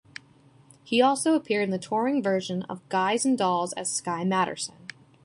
He also appeared in the touring version of "Guys and Dolls" as Sky Masterson.